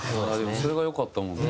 それが良かったもんね。